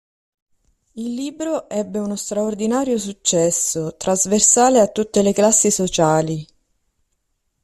Il libro ebbe uno straordinario successo, trasversale a tutte le classi sociali.